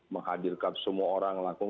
menghadirkan semua orang lakukan